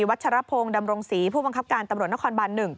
ชรพงศ์ดำรงศรีผู้บังคับการตำรวจนครบาน๑